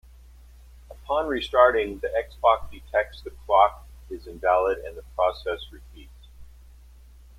Upon restarting, the Xbox detects the clock is invalid and the process repeats.